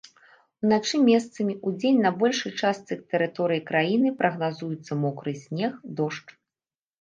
Уначы месцамі, удзень на большай частцы тэрыторыі краіны прагназуецца мокры снег, дождж.